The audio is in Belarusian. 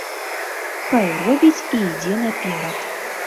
Хай робіць і ідзе наперад.